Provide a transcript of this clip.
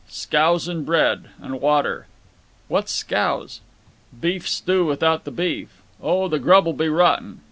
"Scouse and bread. And water." "What's scouse?" "Beef stew without the beef. Oh, the grub'll be rotten.